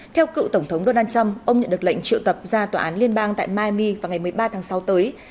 theo cựu tổng thống donald trump ông nhận được lệnh triệu tập ra tòa án liên bang tại maimi vào ngày một mươi ba tháng sáu tới